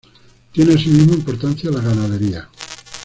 Tiene asimismo importancia la ganadería.